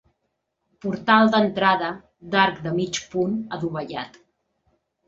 Portal d'entrada d'arc de mig punt adovellat.